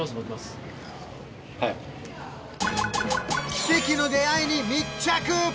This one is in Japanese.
キセキの出会いに密着！